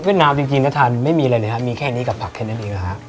เวียดนามจริงก็ทานไม่มีอะไรนะฮะมีแค่นี้กับผักแค่นั้นเองนะฮะ